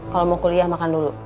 kalau mau kuliah makan dulu